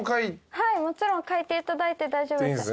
はいもちろん描いていただいて大丈夫です。